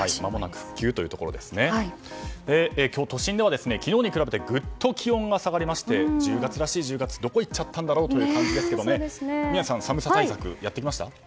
今日、都心では昨日に比べてぐっと気温が下がりまして１０月らしい１０月はどこいっちゃったんだろうという感じですけど、宮司さん寒さ対策はやっていましたか？